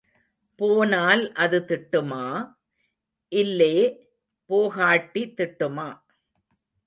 போனால் அது திட்டுமா... இல்லே போகாட்டி திட்டுமா.